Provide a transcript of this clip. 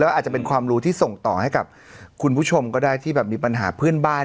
อาจจะเป็นความรู้ที่ส่งต่อให้กับคุณผู้ชมก็ได้ที่แบบมีปัญหาเพื่อนบ้าน